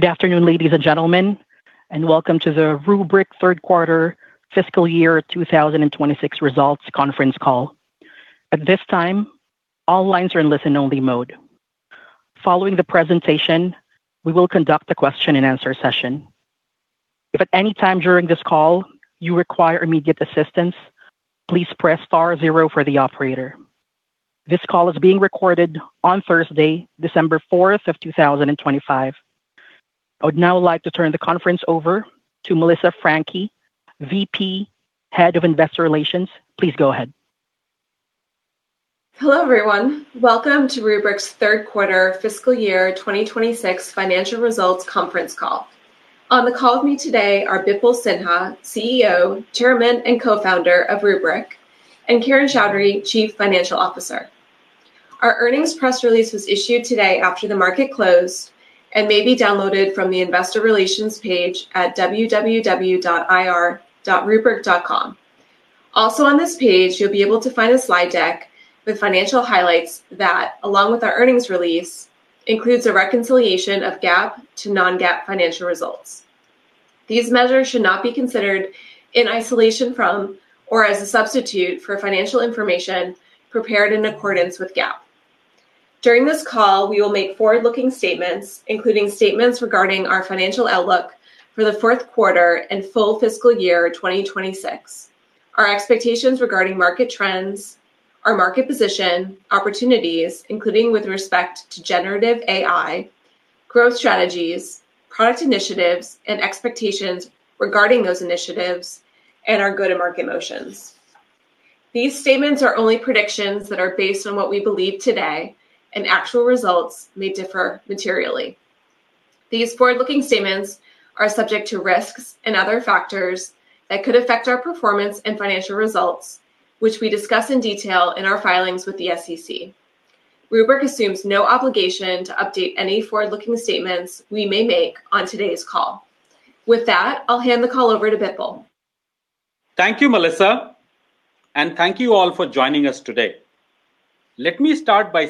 Good afternoon, ladies and gentlemen, and welcome to the Rubrik third quarter fiscal year 2026 results conference call. At this time, all lines are in listen-only mode. Following the presentation, we will conduct a Q&A session. If at any time during this call you require immediate assistance, please press star zero for the operator. This call is being recorded on Thursday, December 4th of 2025. I would now like to turn the conference over to Melissa Franchi, VP, Head of Investor Relations. Please go ahead. Hello, everyone. Welcome to Rubrik's third quarter fiscal year 2026 financial results conference call. On the call with me today are Bipul Sinha, CEO, Chairman, and Co-Founder of Rubrik, and Kiran Choudary, Chief Financial Officer. Our earnings press release was issued today after the market closed and may be downloaded from the Investor Relations page at www.ir.rubrik.com. Also on this page, you'll be able to find a slide deck with financial highlights that, along with our earnings release, includes a reconciliation of GAAP to non-GAAP financial results. These measures should not be considered in isolation from or as a substitute for financial information prepared in accordance with GAAP. During this call, we will make forward-looking statements, including statements regarding our financial outlook for the fourth quarter and full fiscal year 2026, our expectations regarding market trends, our market position opportunities, including with respect to generative AI, growth strategies, product initiatives, and expectations regarding those initiatives, and our go-to-market motions. These statements are only predictions that are based on what we believe today, and actual results may differ materially. These forward-looking statements are subject to risks and other factors that could affect our performance and financial results, which we discuss in detail in our filings with the SEC. Rubrik assumes no obligation to update any forward-looking statements we may make on today's call. With that, I'll hand the call over to Bipul. Thank you, Melissa, and thank you all for joining us today. Let me start by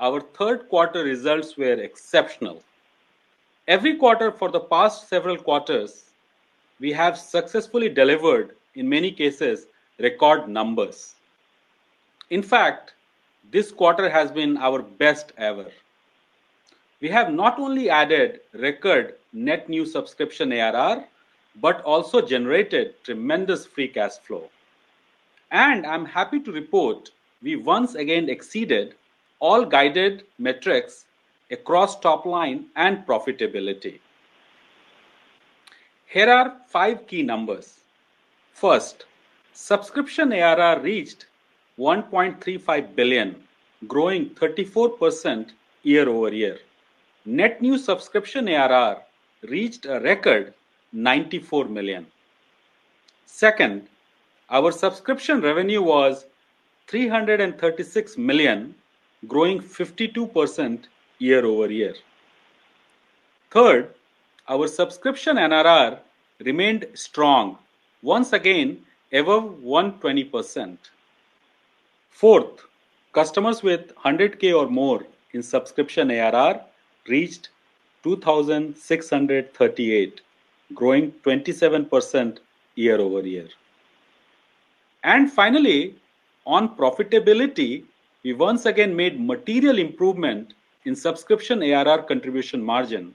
saying our third quarter results were exceptional. Every quarter for the past several quarters, we have successfully delivered, in many cases, record numbers. In fact, this quarter has been our best ever. We have not only added record net new subscription ARR, but also generated tremendous free cash flow. And I'm happy to report we once again exceeded all guided metrics across top line and profitability. Here are five key numbers. First, subscription ARR reached $1.35 billion, growing 34% year-over-year. Net new subscription ARR reached a record $94 million. Second, our subscription revenue was $336 million, growing 52% year-over-year. Third, our subscription NRR remained strong, once again above 120%. Fourth, customers with 100K or more in subscription ARR reached 2,638, growing 27% year-over-year. And finally, on profitability, we once again made material improvement in subscription ARR contribution margin,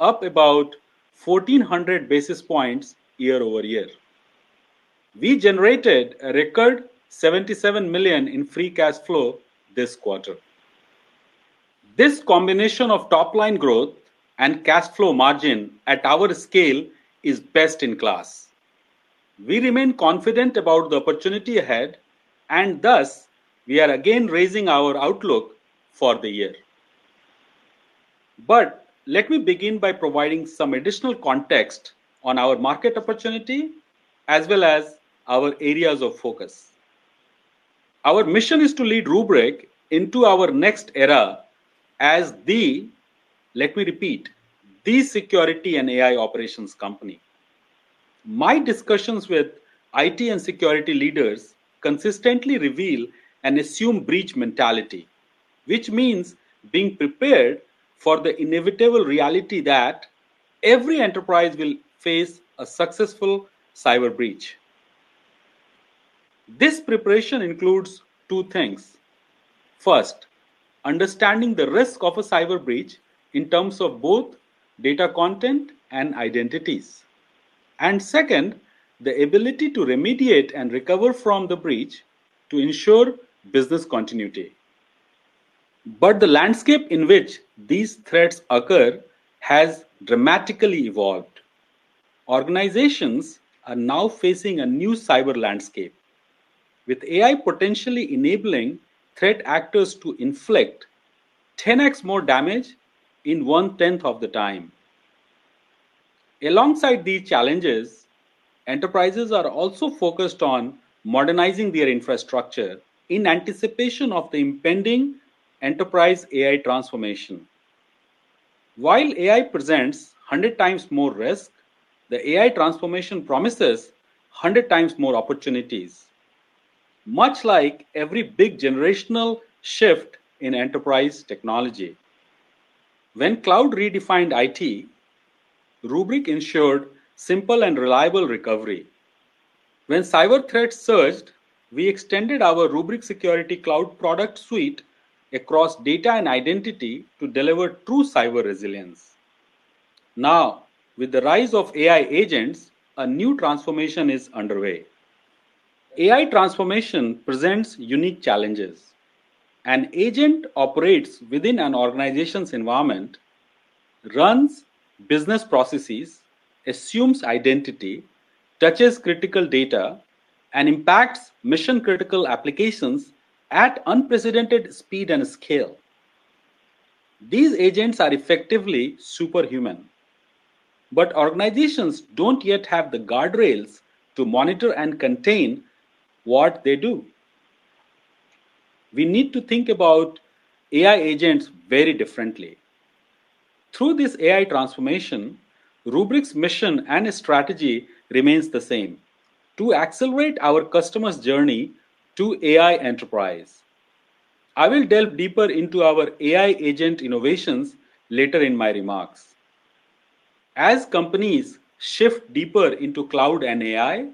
up about 1,400 basis points year-over-year. We generated a record $77 million in free cash flow this quarter. This combination of top line growth and cash flow margin at our scale is best in class. We remain confident about the opportunity ahead, and thus we are again raising our outlook for the year. But let me begin by providing some additional context on our market opportunity, as well as our areas of focus. Our mission is to lead Rubrik into our next era as the, let me repeat, the security and AI operations company. My discussions with IT and security leaders consistently reveal an assume breach mentality, which means being prepared for the inevitable reality that every enterprise will face a successful cyber breach. This preparation includes two things. First, understanding the risk of a cyber breach in terms of both data content and identities. And second, the ability to remediate and recover from the breach to ensure business continuity. But the landscape in which these threats occur has dramatically evolved. Organizations are now facing a new cyber landscape, with AI potentially enabling threat actors to inflict 10x more damage in 1/10 of the time. Alongside these challenges, enterprises are also focused on modernizing their infrastructure in anticipation of the impending enterprise AI transformation. While AI presents 100x more risk, the AI transformation promises 100x more opportunities, much like every big generational shift in enterprise technology. When cloud redefined IT, Rubrik ensured simple and reliable recovery. When cyber threats surged, we extended our Rubrik Security Cloud product suite across data and identity to deliver true cyber resilience. Now, with the rise of AI agents, a new transformation is underway. AI transformation presents unique challenges. An agent operates within an organization's environment, runs business processes, assumes identity, touches critical data, and impacts mission-critical applications at unprecedented speed and scale. These agents are effectively superhuman, but organizations don't yet have the guardrails to monitor and contain what they do. We need to think about AI agents very differently. Through this AI transformation, Rubrik's mission and strategy remains the same: to accelerate our customers' journey to AI enterprise. I will delve deeper into our AI agent innovations later in my remarks. As companies shift deeper into cloud and AI,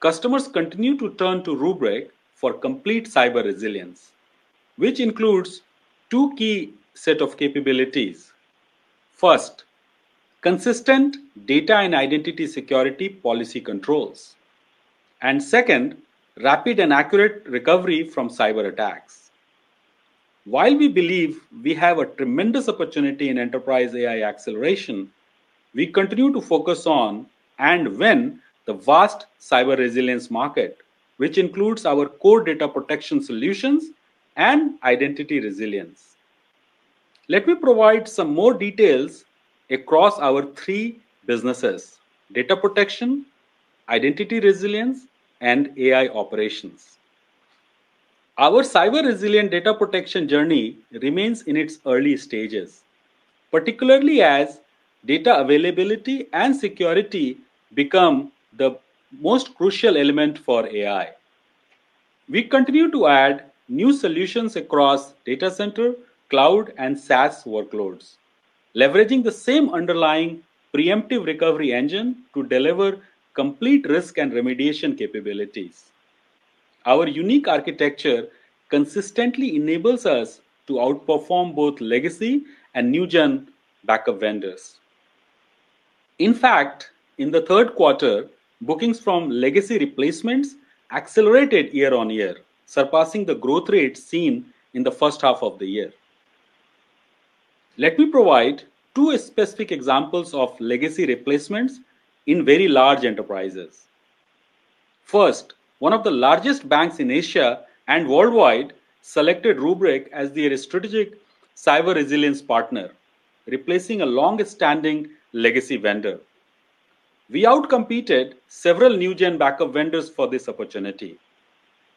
customers continue to turn to Rubrik for complete cyber resilience, which includes two key sets of capabilities. First, consistent data and identity security policy controls. And second, rapid and accurate recovery from cyber attacks. While we believe we have a tremendous opportunity in enterprise AI acceleration, we continue to focus on and win the vast cyber resilience market, which includes our core data protection solutions and Identity Resilience. Let me provide some more details across our three businesses: data protection, Identity Resilience, and AI operations. Our cyber resilient data protection journey remains in its early stages, particularly as data availability and security become the most crucial element for AI. We continue to add new solutions across data center, cloud, and SaaS workloads, leveraging the same underlying preemptive recovery engine to deliver complete risk and remediation capabilities. Our unique architecture consistently enables us to outperform both legacy and new-gen backup vendors. In fact, in the third quarter, bookings from legacy replacements accelerated year-on-year, surpassing the growth rate seen in the first half of the year. Let me provide two specific examples of legacy replacements in very large enterprises. First, one of the largest banks in Asia and worldwide selected Rubrik as their strategic cyber resilience partner, replacing a longstanding legacy vendor. We outcompeted several new-gen backup vendors for this opportunity.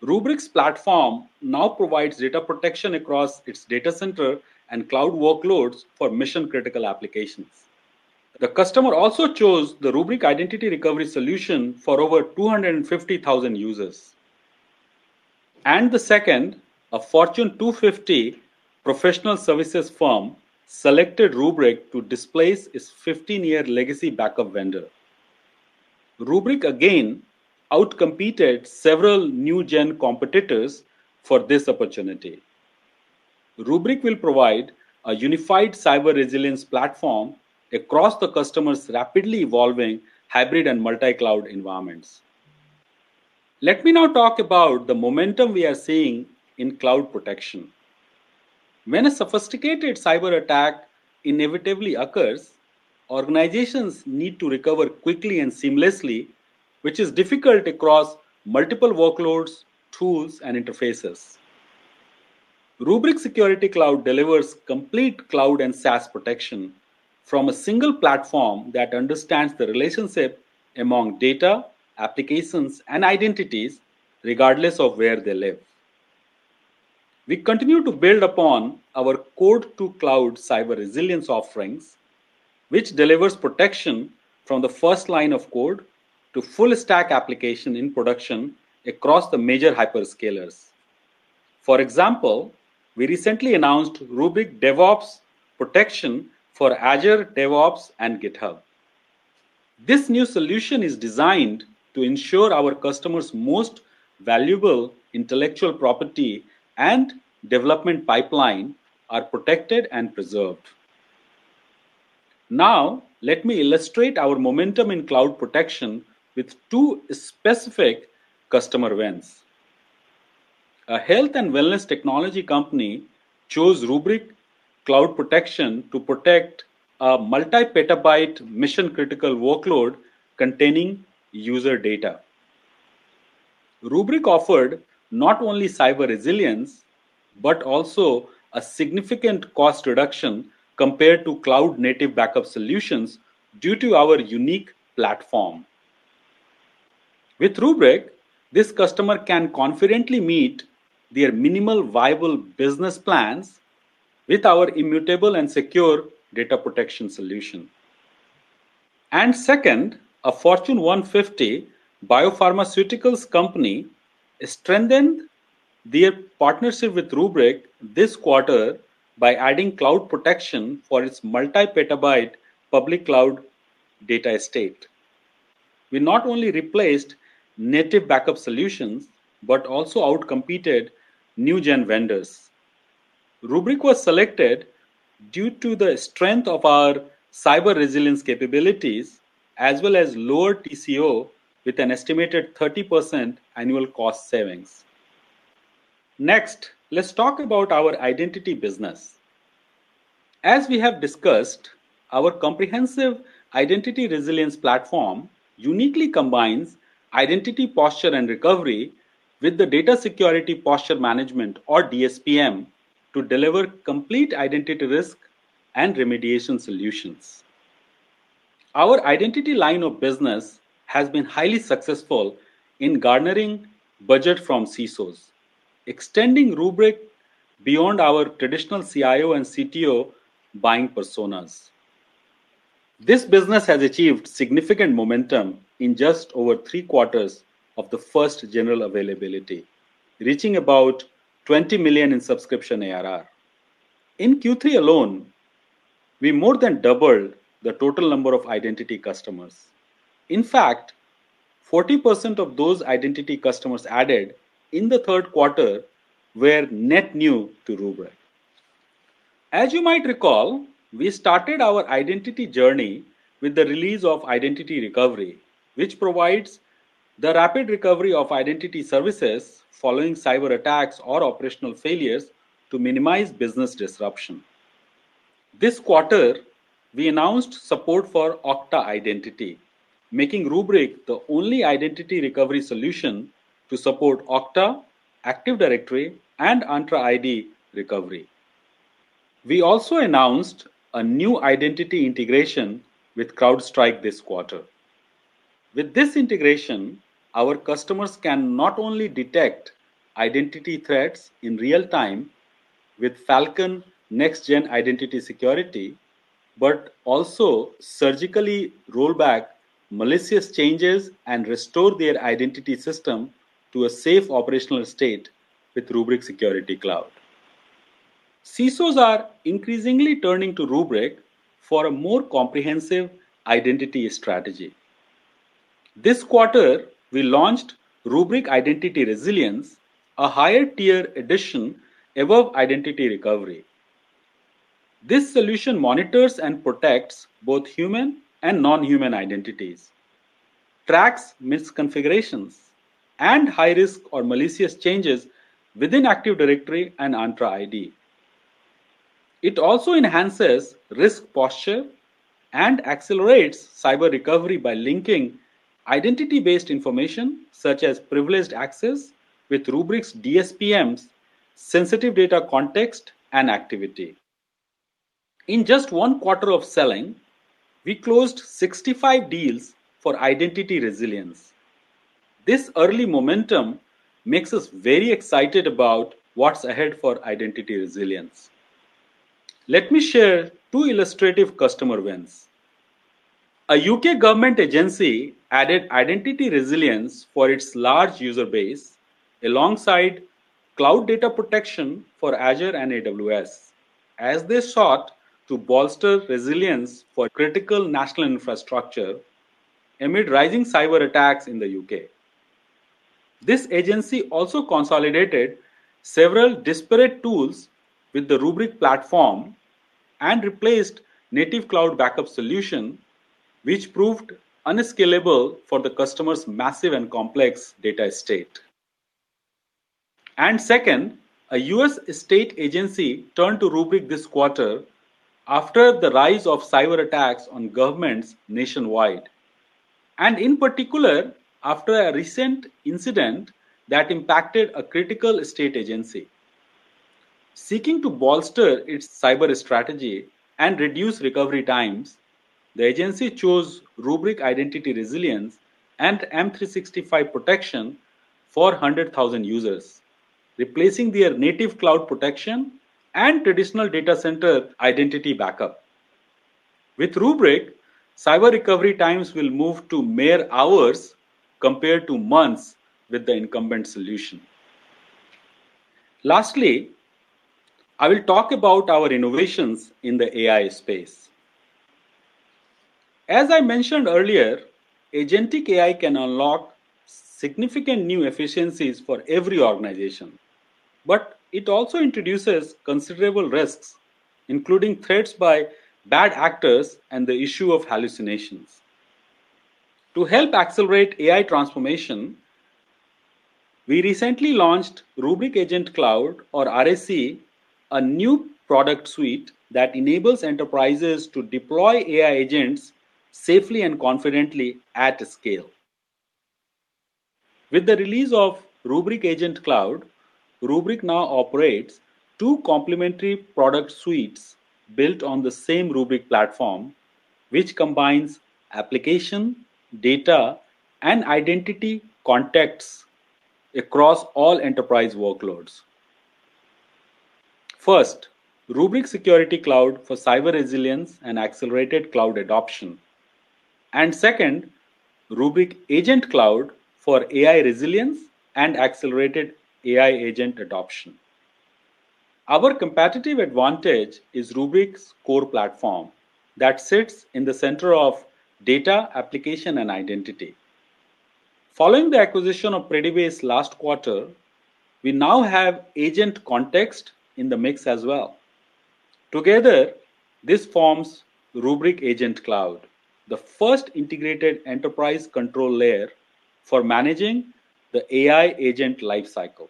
Rubrik's platform now provides data protection across its data center and cloud workloads for mission-critical applications. The customer also chose the Rubrik Identity Recovery solution for over 250,000 users, and the second, a Fortune 250 professional services firm selected Rubrik to displace its 15-year legacy backup vendor. Rubrik again outcompeted several new-gen competitors for this opportunity. Rubrik will provide a unified cyber resilience platform across the customer's rapidly evolving hybrid and multi-cloud environments. Let me now talk about the momentum we are seeing in cloud protection. When a sophisticated cyber attack inevitably occurs, organizations need to recover quickly and seamlessly, which is difficult across multiple workloads, tools, and interfaces. Rubrik Security Cloud delivers complete cloud and SaaS protection from a single platform that understands the relationship among data, applications, and identities, regardless of where they live. We continue to build upon our code-to-cloud cyber resilience offerings, which delivers protection from the first line of code to full-stack application in production across the major hyperscalers. For example, we recently announced Rubrik DevOps Protection for Azure, DevOps, and GitHub. This new solution is designed to ensure our customers' most valuable intellectual property and development pipeline are protected and preserved. Now, let me illustrate our momentum in cloud protection with two specific customer events. A health and wellness technology company chose Rubrik Cloud Protection to protect a multi-petabyte mission-critical workload containing user data. Rubrik offered not only cyber resilience, but also a significant cost reduction compared to cloud-native backup solutions due to our unique platform. With Rubrik, this customer can confidently meet their minimal viable business plans with our immutable and secure data protection solution. Second, a Fortune 150 biopharmaceuticals company strengthened their partnership with Rubrik this quarter by adding cloud protection for its multi-petabyte public cloud data estate. We not only replaced native backup solutions, but also outcompeted new-gen vendors. Rubrik was selected due to the strength of our cyber resilience capabilities, as well as lower TCO with an estimated 30% annual cost savings. Next, let's talk about our identity business. As we have discussed, our comprehensive identity resilience platform uniquely combines identity posture and recovery with the Data Security Posture Management, or DSPM, to deliver complete identity risk and remediation solutions. Our identity line of business has been highly successful in garnering budget from CISOs, extending Rubrik beyond our traditional CIO and CTO buying personas. This business has achieved significant momentum in just over three quarters of the first general availability, reaching about $20 million in subscription ARR. In Q3 alone, we more than doubled the total number of identity customers. In fact, 40% of those identity customers added in the third quarter were net new to Rubrik. As you might recall, we started our identity journey with the release of Identity Recovery, which provides the rapid recovery of identity services following cyber attacks or operational failures to minimize business disruption. This quarter, we announced support for Okta Identity, making Rubrik the only Identity Recovery solution to support Okta, Active Directory, and Entra ID recovery. We also announced a new identity integration with CrowdStrike this quarter. With this integration, our customers can not only detect identity threats in real time with Falcon next-gen identity security, but also surgically roll back malicious changes and restore their identity system to a safe operational state with Rubrik Security Cloud. CISOs are increasingly turning to Rubrik for a more comprehensive identity strategy. This quarter, we launched Rubrik Identity Resilience, a higher-tier addition above Identity Recovery. This solution monitors and protects both human and non-human identities, tracks misconfigurations, and high-risk or malicious changes within Active Directory and Entra ID. It also enhances risk posture and accelerates cyber recovery by linking identity-based information, such as privileged access, with Rubrik's DSPMs, sensitive data context, and activity. In just one quarter of selling, we closed 65 deals for Identity Resilience. This early momentum makes us very excited about what's ahead for Identity Resilience. Let me share two illustrative customer events. A U.K. government agency added Identity Resilience for its large user base alongside cloud data protection for Azure and AWS, as they sought to bolster resilience for critical national infrastructure amid rising cyber attacks in the U.K. This agency also consolidated several disparate tools with the Rubrik platform and replaced native cloud backup solution, which proved unscalable for the customer's massive and complex data estate. And second, a U.S. state agency turned to Rubrik this quarter after the rise of cyber attacks on governments nationwide, and in particular, after a recent incident that impacted a critical state agency. Seeking to bolster its cyber strategy and reduce recovery times, the agency chose Rubrik Identity Resilience and M365 Protection for 100,000 users, replacing their native cloud protection and traditional data center identity backup. With Rubrik, cyber recovery times will move to mere hours compared to months with the incumbent solution. Lastly, I will talk about our innovations in the AI space. As I mentioned earlier, agentic AI can unlock significant new efficiencies for every organization, but it also introduces considerable risks, including threats by bad actors and the issue of hallucinations. To help accelerate AI transformation, we recently launched Rubrik Agent Cloud, or RAC, a new product suite that enables enterprises to deploy AI agents safely and confidently at scale. With the release of Rubrik Agent Cloud, Rubrik now operates two complementary product suites built on the same Rubrik platform, which combines application, data, and identity contexts across all enterprise workloads. First, Rubrik Security Cloud for cyber resilience and accelerated cloud adoption. And second, Rubrik Agent Cloud for AI resilience and accelerated AI agent adoption. Our competitive advantage is Rubrik's core platform that sits in the center of data, application, and identity. Following the acquisition of Predibase last quarter, we now have agent context in the mix as well. Together, this forms Rubrik Agent Cloud, the first integrated enterprise control layer for managing the AI agent lifecycle.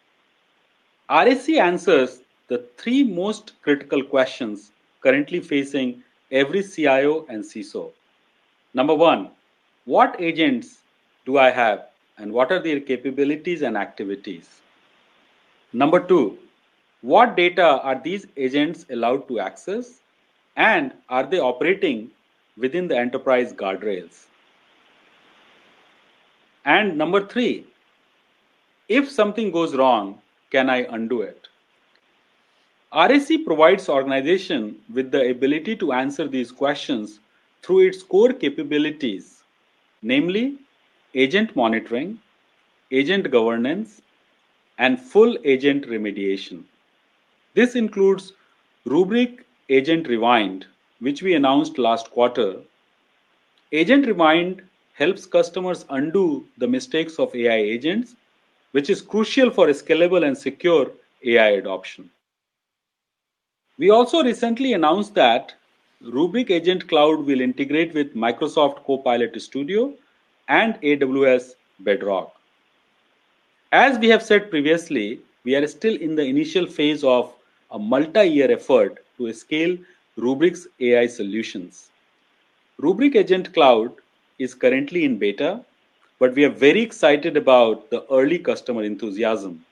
RAC answers the three most critical questions currently facing every CIO and CISO. Number one, what agents do I have, and what are their capabilities and activities? Number two, what data are these agents allowed to access, and are they operating within the enterprise guardrails? And number three, if something goes wrong, can I undo it? RAC provides organizations with the ability to answer these questions through its core capabilities, namely agent monitoring, agent governance, and full agent remediation. This includes Rubrik Agent Rewind, which we announced last quarter. Agent Rewind helps customers undo the mistakes of AI agents, which is crucial for scalable and secure AI adoption. We also recently announced that Rubrik Agent Cloud will integrate with Microsoft Copilot Studio and Amazon Bedrock. As we have said previously, we are still in the initial phase of a multi-year effort to scale Rubrik's AI solutions. Rubrik Agent Cloud is currently in beta, but we are very excited about the early customer enthusiasm.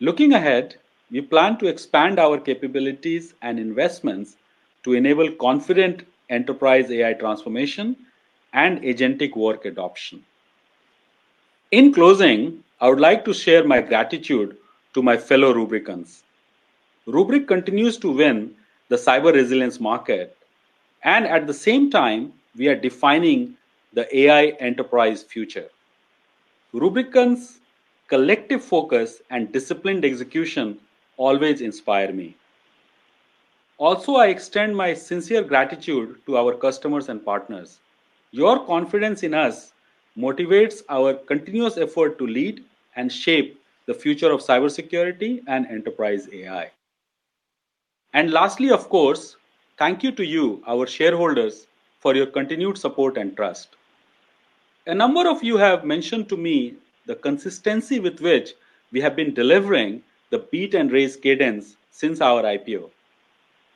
Looking ahead, we plan to expand our capabilities and investments to enable confident enterprise AI transformation and agentic work adoption. In closing, I would like to share my gratitude to my fellow Rubrikans. Rubrik continues to win the cyber resilience market, and at the same time, we are defining the AI enterprise future. Rubrikans' collective focus and disciplined execution always inspire me. Also, I extend my sincere gratitude to our customers and partners. Your confidence in us motivates our continuous effort to lead and shape the future of cybersecurity and enterprise AI. Lastly, of course, thank you to you, our shareholders, for your continued support and trust. A number of you have mentioned to me the consistency with which we have been delivering the beat-and-raise cadence since our IPO.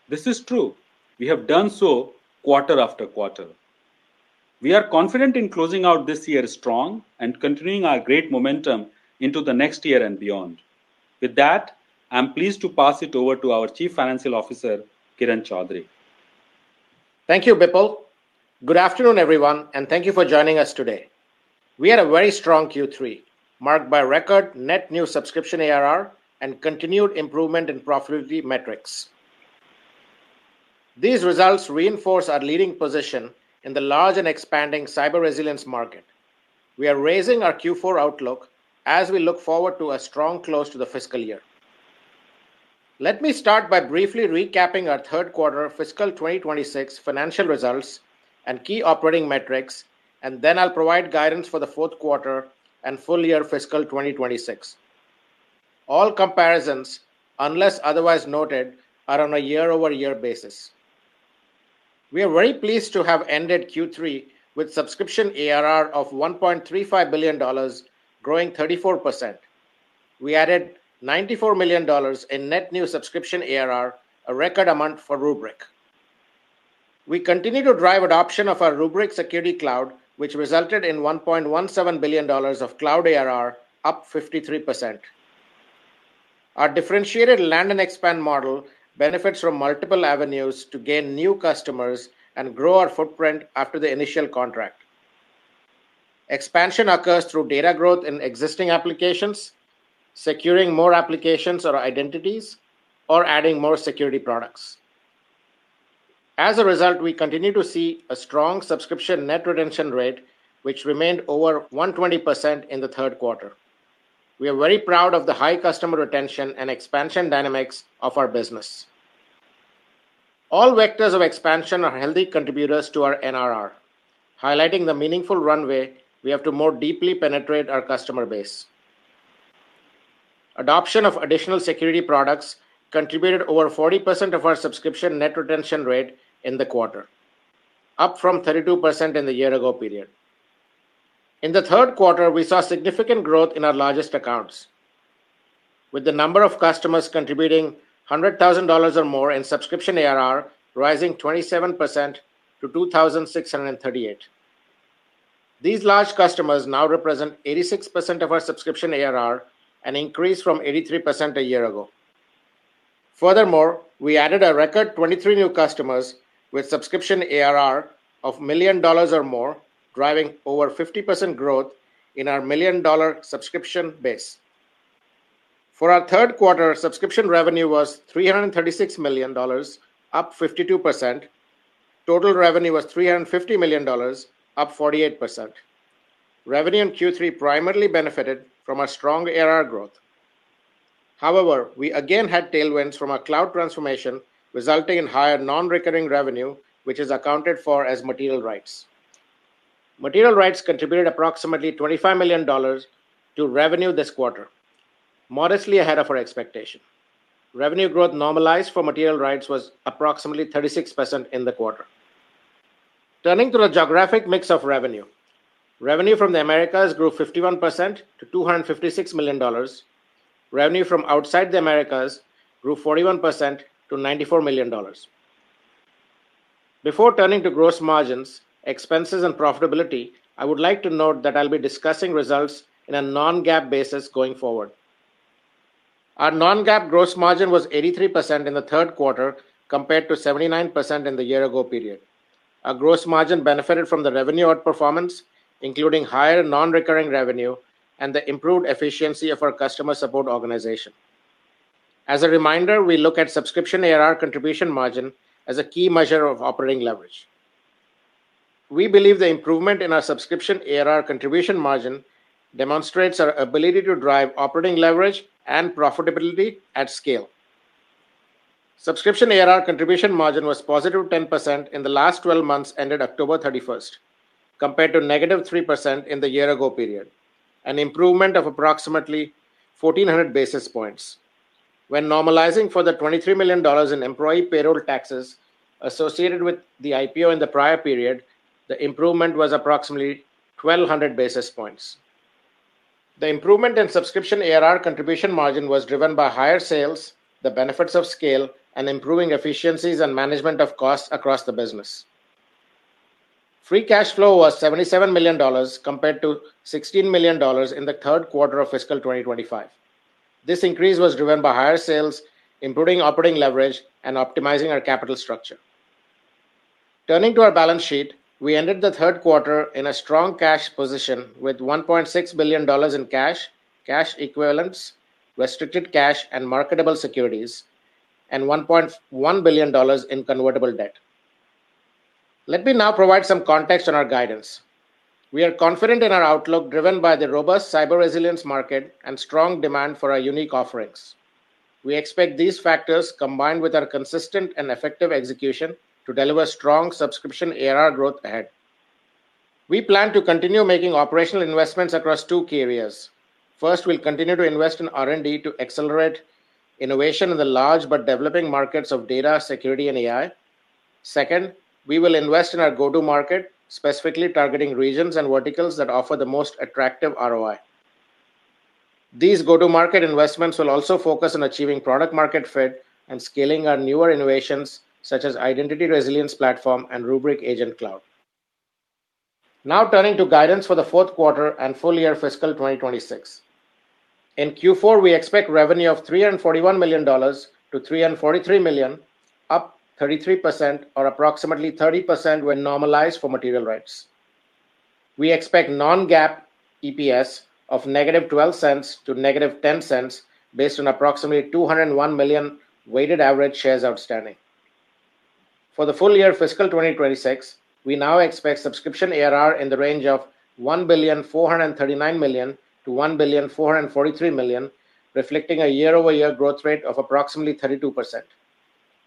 This is true. We have done so quarter after quarter. We are confident in closing out this year strong and continuing our great momentum into the next year and beyond. With that, I'm pleased to pass it over to our Chief Financial Officer, Kiran Choudary. Thank you, Bipul. Good afternoon, everyone, and thank you for joining us today. We had a very strong Q3, marked by record net new subscription ARR and continued improvement in profitability metrics. These results reinforce our leading position in the large and expanding cyber resilience market. We are raising our Q4 outlook as we look forward to a strong close to the fiscal year. Let me start by briefly recapping our third quarter fiscal 2026 financial results and key operating metrics, and then I'll provide guidance for the fourth quarter and full year fiscal 2026. All comparisons, unless otherwise noted, are on a year-over-year basis. We are very pleased to have ended Q3 with subscription ARR of $1.35 billion, growing 34%. We added $94 million in net new subscription ARR, a record amount for Rubrik. We continue to drive adoption of our Rubrik Security Cloud, which resulted in $1.17 billion of cloud ARR, up 53%. Our differentiated land and expand model benefits from multiple avenues to gain new customers and grow our footprint after the initial contract. Expansion occurs through data growth in existing applications, securing more applications or identities, or adding more security products. As a result, we continue to see a strong subscription net retention rate, which remained over 120% in the third quarter. We are very proud of the high customer retention and expansion dynamics of our business. All vectors of expansion are healthy contributors to our NRR, highlighting the meaningful runway we have to more deeply penetrate our customer base. Adoption of additional security products contributed over 40% of our subscription net retention rate in the quarter, up from 32% in the year-ago period. In the third quarter, we saw significant growth in our largest accounts, with the number of customers contributing $100,000 or more in subscription ARR rising 27% to 2,638. These large customers now represent 86% of our subscription ARR, an increase from 83% a year ago. Furthermore, we added a record 23 new customers with subscription ARR of $1 million or more, driving over 50% growth in our million-dollar subscription base. For our third quarter, subscription revenue was $336 million, up 52%. Total revenue was $350 million, up 48%. Revenue in Q3 primarily benefited from our strong ARR growth. However, we again had tailwinds from our cloud transformation, resulting in higher non-recurring revenue, which is accounted for as material rights. Material rights contributed approximately $25 million to revenue this quarter, modestly ahead of our expectation. Revenue growth normalized for material rights was approximately 36% in the quarter. Turning to the geographic mix of revenue, revenue from the Americas grew 51% to $256 million. Revenue from outside the Americas grew 41% to $94 million. Before turning to gross margins, expenses, and profitability, I would like to note that I'll be discussing results on a non-GAAP basis going forward. Our non-GAAP gross margin was 83% in the third quarter compared to 79% in the year-ago period. Our gross margin benefited from the revenue outperformance, including higher non-recurring revenue and the improved efficiency of our customer support organization. As a reminder, we look at subscription ARR contribution margin as a key measure of operating leverage. We believe the improvement in our subscription ARR contribution margin demonstrates our ability to drive operating leverage and profitability at scale. Subscription ARR contribution margin was positive 10% in the last 12 months ended October 31st, compared to -3% in the year-ago period, an improvement of approximately 1,400 basis points. When normalizing for the $23 million in employee payroll taxes associated with the IPO in the prior period, the improvement was approximately 1,200 basis points. The improvement in subscription ARR contribution margin was driven by higher sales, the benefits of scale, and improving efficiencies and management of costs across the business. Free cash flow was $77 million compared to $16 million in the third quarter of fiscal 2025. This increase was driven by higher sales, improving operating leverage, and optimizing our capital structure. Turning to our balance sheet, we ended the third quarter in a strong cash position with $1.6 billion in cash, cash equivalents, restricted cash, and marketable securities, and $1.1 billion in convertible debt. Let me now provide some context on our guidance. We are confident in our outlook driven by the robust cyber resilience market and strong demand for our unique offerings. We expect these factors combined with our consistent and effective execution to deliver strong subscription ARR growth ahead. We plan to continue making operational investments across two key areas. First, we'll continue to invest in R&D to accelerate innovation in the large but developing markets of data, security, and AI. Second, we will invest in our go-to market, specifically targeting regions and verticals that offer the most attractive ROI. These go-to market investments will also focus on achieving product-market fit and scaling our newer innovations such as Identity Resilience platform and Rubrik Agent Cloud. Now turning to guidance for the fourth quarter and full year fiscal 2026. In Q4, we expect revenue of $341 million-$343 million, up 33% or approximately 30% when normalized for material rights. We expect non-GAAP EPS of -$0.12 to -$0.10 based on approximately 201 million weighted average shares outstanding. For the full year fiscal 2026, we now expect subscription ARR in the range of $1,439 million-$1,443 million, reflecting a year-over-year growth rate of approximately 32%.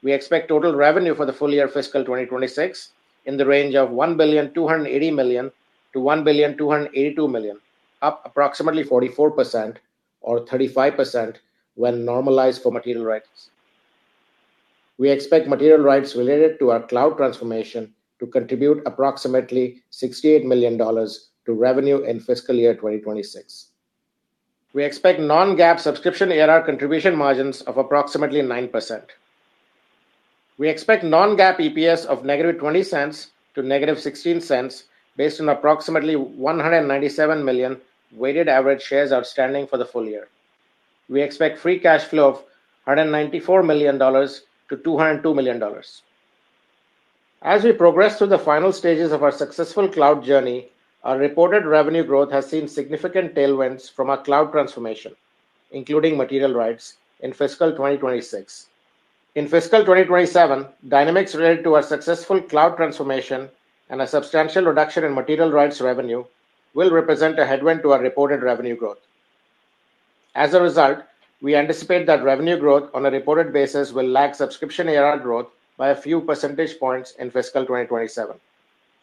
We expect total revenue for the full year fiscal 2026 in the range of $1,280 million-$1,282 million, up approximately 44% or 35% when normalized for material rights. We expect material rights related to our cloud transformation to contribute approximately $68 million to revenue in fiscal year 2026. We expect non-GAAP subscription ARR contribution margins of approximately 9%. We expect non-GAAP EPS of -$0.20 to -$0.16 based on approximately $197 million weighted average shares outstanding for the full year. We expect free cash flow of $194 million-$202 million. As we progress through the final stages of our successful cloud journey, our reported revenue growth has seen significant tailwinds from our cloud transformation, including material rights, in fiscal 2026. In fiscal 2027, dynamics related to our successful cloud transformation and a substantial reduction in material rights revenue will represent a headwind to our reported revenue growth. As a result, we anticipate that revenue growth on a reported basis will lag subscription ARR growth by a few percentage points in fiscal 2027.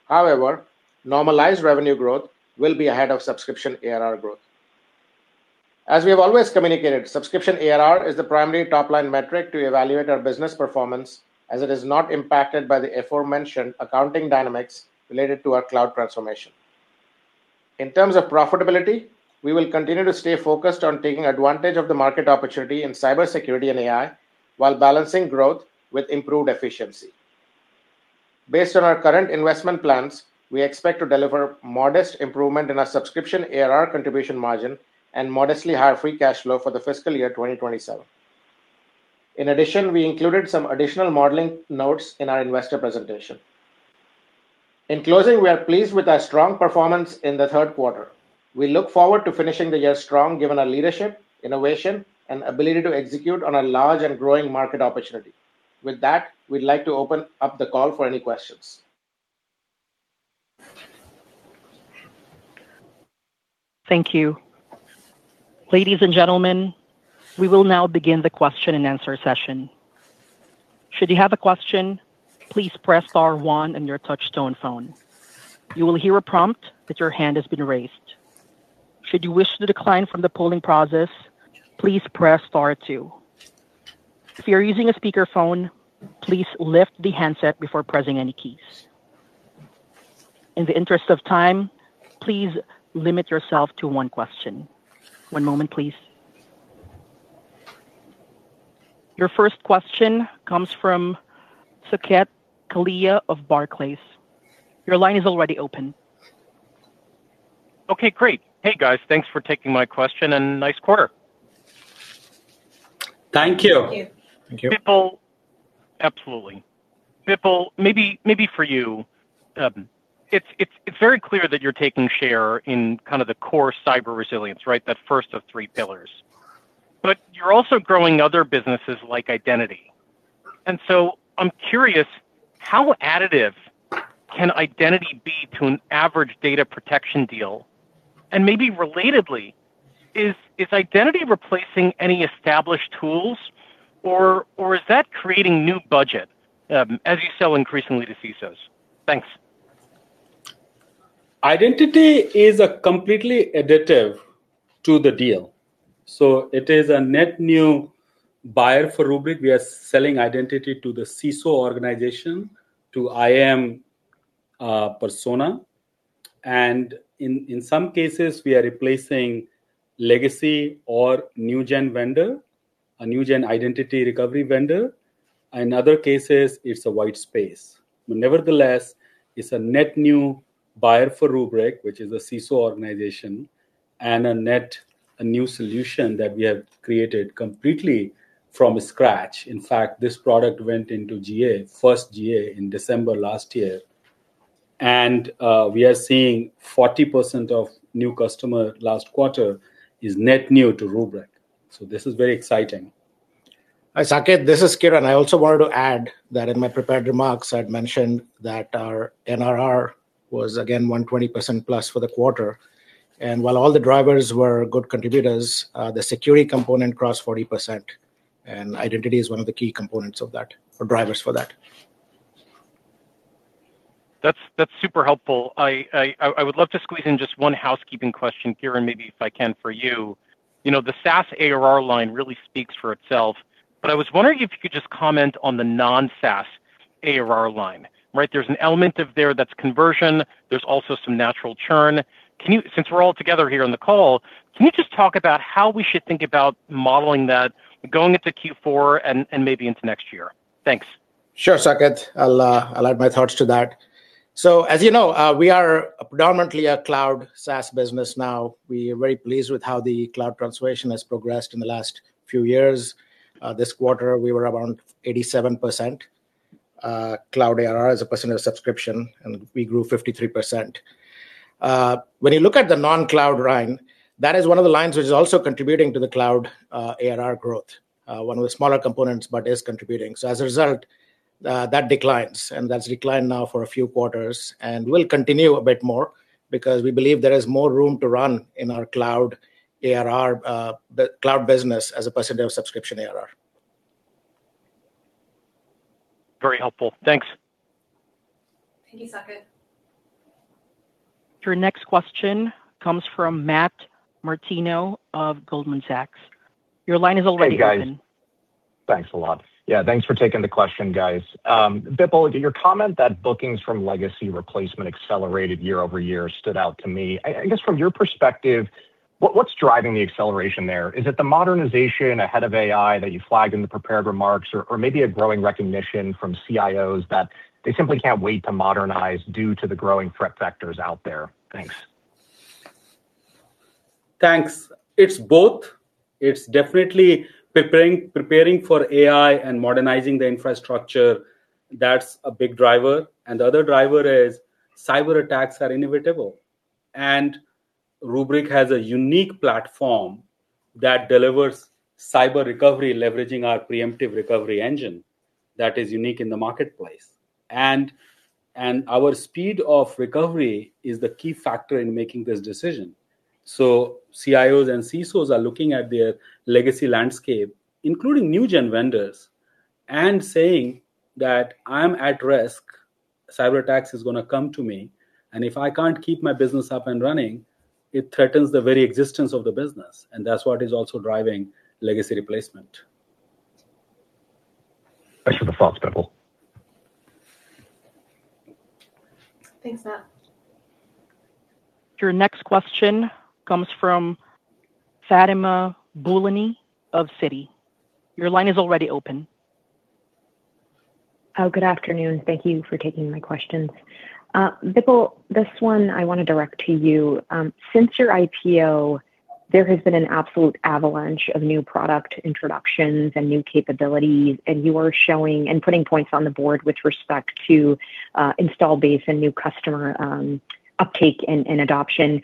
However, normalized revenue growth will be ahead of subscription ARR growth. As we have always communicated, subscription ARR is the primary top-line metric to evaluate our business performance as it is not impacted by the aforementioned accounting dynamics related to our cloud transformation. In terms of profitability, we will continue to stay focused on taking advantage of the market opportunity in cybersecurity and AI while balancing growth with improved efficiency. Based on our current investment plans, we expect to deliver modest improvement in our subscription ARR contribution margin and modestly higher free cash flow for the fiscal year 2027. In addition, we included some additional modeling notes in our investor presentation. In closing, we are pleased with our strong performance in the third quarter. We look forward to finishing the year strong given our leadership, innovation, and ability to execute on a large and growing market opportunity. With that, we'd like to open up the call for any questions. Thank you. Ladies and gentlemen, we will now begin the question and answer session. Should you have a question, please press star one on your touch-tone phone. You will hear a prompt that your hand has been raised. Should you wish to decline from the polling process, please press star two. If you're using a speakerphone, please lift the handset before pressing any keys. In the interest of time, please limit yourself to one question. One moment, please. Your first question comes from Saket Kalia of Barclays. Your line is already open. Okay, great. Hey, guys, thanks for taking my question and nice quarter. Thank you. Thank you. Thank you. Bipul. Absolutely. Bipul, maybe for you, it's very clear that you're taking share in kind of the core cyber resilience, right? That first of three pillars. But you're also growing other businesses like identity. And so I'm curious, how additive can identity be to an average data protection deal? Maybe relatedly, is identity replacing any established tools, or is that creating new budget as you sell increasingly to CISOs? Thanks. Identity is a completely additive to the deal. So it is a net new buyer for Rubrik. We are selling identity to the CISO organization, to IAM persona. And in some cases, we are replacing legacy or new-gen vendor, a new-gen Identity Recovery vendor. In other cases, it's a white space. Nevertheless, it's a net new buyer for Rubrik, which is a CISO organization, and a net new solution that we have created completely from scratch. In fact, this product went into GA, first GA in December last year. We are seeing 40% of new customers last quarter is net new to Rubrik. So this is very exciting. Hi, Saket. This is Kiran. I also wanted to add that in my prepared remarks, I'd mentioned that our NRR was, again, 120%+ for the quarter, and while all the drivers were good contributors, the security component crossed 40%, and identity is one of the key components of that, or drivers for that. That's super helpful. I would love to squeeze in just one housekeeping question, Kiran, maybe if I can for you. The SaaS ARR line really speaks for itself, but I was wondering if you could just comment on the non-SaaS ARR line, right? There's an element of there that's conversion. There's also some natural churn. Since we're all together here on the call, can you just talk about how we should think about modeling that going into Q4 and maybe into next year? Thanks. Sure, Saket. I'll add my thoughts to that. So as you know, we are predominantly a cloud SaaS business now. We are very pleased with how the cloud transformation has progressed in the last few years. This quarter, we were around 87% cloud ARR as a percentage of subscription, and we grew 53%. When you look at the non-cloud line, that is one of the lines which is also contributing to the cloud ARR growth, one of the smaller components, but is contributing. So as a result, that declines. And that's declined now for a few quarters. And we'll continue a bit more because we believe there is more room to run in our cloud ARR, the cloud business as a percentage of subscription ARR. Very helpful. Thanks. Thank you, Saket. Your next question comes from Matt Martino of Goldman Sachs. Your line is already open. Thank you, guys. Thanks a lot. Yeah, thanks for taking the question, guys. Bipul, your comment that bookings from legacy replacement accelerated year-over-year stood out to me. I guess from your perspective, what's driving the acceleration there? Is it the modernization ahead of AI that you flagged in the prepared remarks, or maybe a growing recognition from CIOs that they simply can't wait to modernize due to the growing threat factors out there? Thanks. Thanks. It's both. It's definitely preparing for AI and modernizing the infrastructure. That's a big driver. And the other driver is cyber attacks are inevitable. And Rubrik has a unique platform that delivers cyber recovery, leveraging our preemptive recovery engine that is unique in the marketplace. And our speed of recovery is the key factor in making this decision. CIOs and CISOs are looking at their legacy landscape, including next-gen vendors, and saying that I'm at risk. Cyber attacks are going to come to me. And if I can't keep my business up and running, it threatens the very existence of the business. And that's what is also driving legacy replacement. Question to folks, Bipul. Thanks, Matt. Your next question comes from Fatima Boolani of Citi. Your line is already open. Oh, good afternoon. Thank you for taking my questions. Bipul, this one I want to direct to you. Since your IPO, there has been an absolute avalanche of new product introductions and new capabilities, and you are showing and putting points on the board with respect to installed base and new customer uptake and adoption.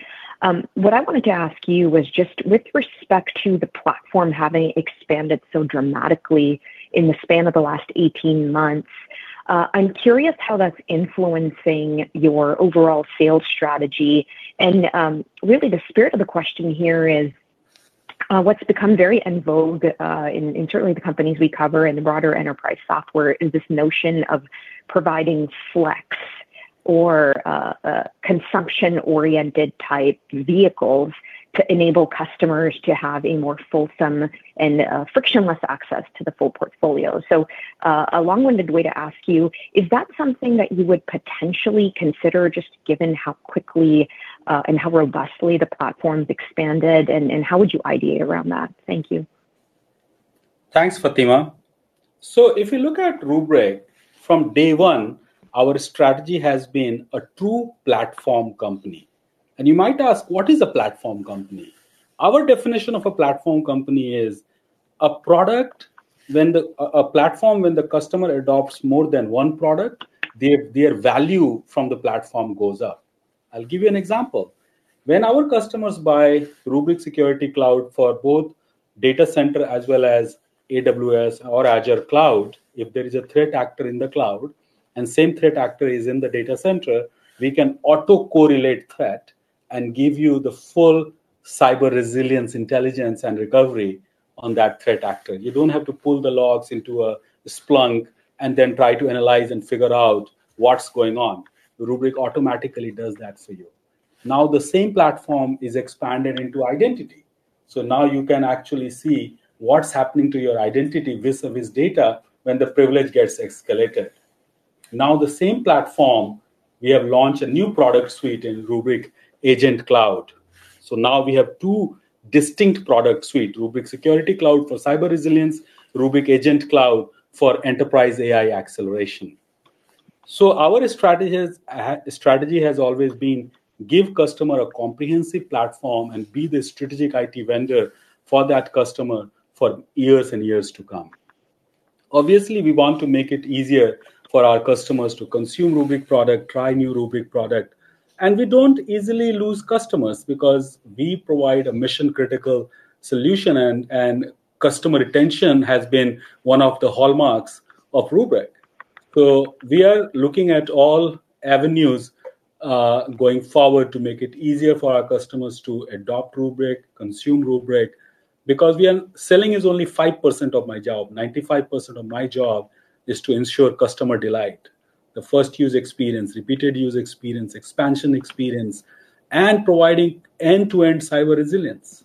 What I wanted to ask you was just with respect to the platform having expanded so dramatically in the span of the last 18 months. I'm curious how that's influencing your overall sales strategy, and really, the spirit of the question here is what's become very en vogue in certainly the companies we cover and the broader enterprise software is this notion of providing flex or consumption-oriented type vehicles to enable customers to have a more fulsome and frictionless access to the full portfolio, so a long-winded way to ask you, is that something that you would potentially consider just given how quickly and how robustly the platforms expanded, and how would you ideate around that? Thank you. Thanks, Fatima, so if you look at Rubrik, from day one, our strategy has been a true platform company, and you might ask, what is a platform company? Our definition of a platform company is a product when a platform, when the customer adopts more than one product, their value from the platform goes up. I'll give you an example. When our customers buy Rubrik Security Cloud for both data center as well as AWS or Azure Cloud, if there is a threat actor in the cloud, and same threat actor is in the data center, we can auto-correlate threat and give you the full cyber resilience, intelligence, and recovery on that threat actor. You don't have to pull the logs into a Splunk and then try to analyze and figure out what's going on. Rubrik automatically does that for you. Now, the same platform is expanded into identity. So now you can actually see what's happening to your identity with data when the privilege gets escalated. Now, the same platform, we have launched a new product suite in Rubrik Agent Cloud, so now we have two distinct product suites, Rubrik Security Cloud for cyber resilience, Rubrik Agent Cloud for enterprise AI acceleration. So our strategy has always been to give customers a comprehensive platform and be the strategic IT vendor for that customer for years and years to come. Obviously, we want to make it easier for our customers to consume Rubrik product, try new Rubrik product, and we don't easily lose customers because we provide a mission-critical solution, and customer retention has been one of the hallmarks of Rubrik, so we are looking at all avenues going forward to make it easier for our customers to adopt Rubrik, consume Rubrik, because selling is only 5% of my job. 95% of my job is to ensure customer delight, the first-use experience, repeated-use experience, and providing end-to-end cyber resilience.